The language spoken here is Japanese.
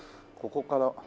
ここから。